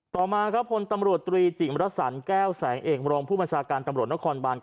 ต่อมาครับพลตำรวจตรีจิมรสันแก้วแสงเอกมรองผู้บัญชาการตำรวจนครบาน